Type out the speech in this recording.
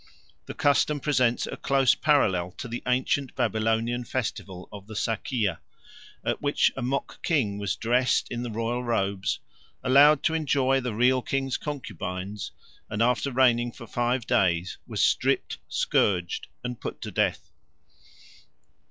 The custom presents a close parallel to the ancient Babylonian festival of the Sacaea, at which a mock king was dressed in the royal robes, allowed to enjoy the real king's concubines, and after reigning for five days was stripped, scourged, and put to death.